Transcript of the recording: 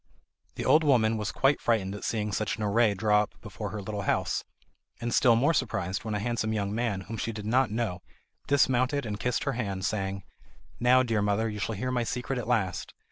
The old woman was quite frightened at seeing such an array draw up before her little house, and still more surprised when a handsome young man, whom she did not know, dismounted and kissed her hand, saying: "Now, dear mother, you shall hear my secret at last!